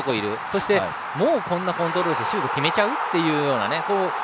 そしてもうこんなコントロールしてシュートを決めちゃう？みたいな。